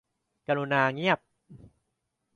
กรุณาเงียบ